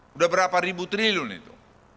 sudah berapa ribu triliun itu